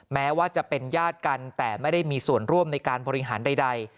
แม้ว่าจะเป็นญาติกันแต่ไม่ได้มีส่วนร่วมในการบริหารใด